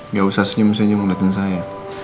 gak usah senyum senyum ngeliatin saya